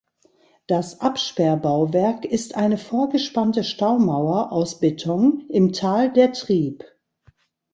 Das Absperrbauwerk ist eine vorgespannte Staumauer aus Beton im Tal der Trieb.